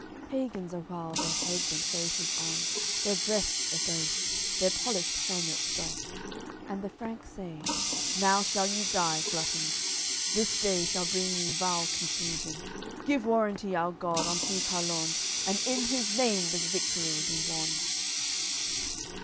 Pagans awhile their heads and faces on Their breasts abase, their polished helmets doff. And the Franks say: "Now shall you die, gluttons; This day shall bring you vile confusion! Give warranty, our God, unto Carlon! And in his name this victory be won!"